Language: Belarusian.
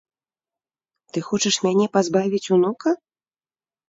Ты хочаш мяне пазбавіць унука?